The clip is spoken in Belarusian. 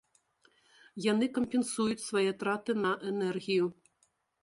Яны кампенсуюць свае траты на энергію.